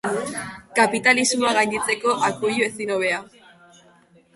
Kapitalismoa gainditzeko akuilu ezin hobea.